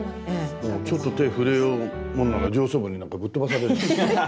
ちょっと手を触れようものなら上層部にぶっ飛ばされる。